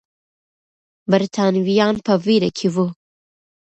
برتانويان په ویره کې وو.